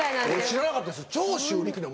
知らなかったです。